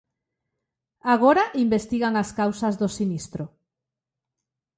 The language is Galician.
Agora investigan as causas do sinistro.